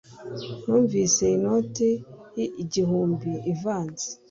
Numvise inoti igihumbi ivanze